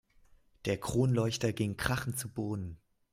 Der Kronleuchter ging krachend zu Boden.